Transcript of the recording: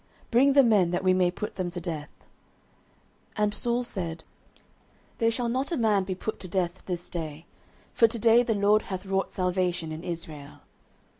bring the men, that we may put them to death. 09:011:013 And Saul said, There shall not a man be put to death this day: for to day the LORD hath wrought salvation in Israel.